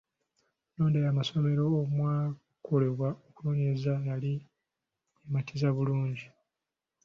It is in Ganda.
Ennonda y’amasomero omwakolerwa okunoonyereza yali ematiza bulungi.